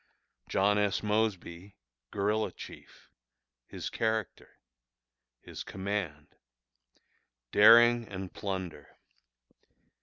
John S. Mosby, Guerilla Chief. His Character. His Command. Daring and Plunder.